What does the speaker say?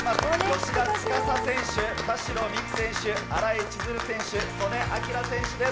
芳田司選手、田代未来選手、新井千鶴選手、素根輝選手です。